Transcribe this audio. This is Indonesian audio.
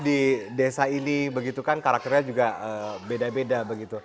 mengajari anak anak di desa ini karakternya juga beda beda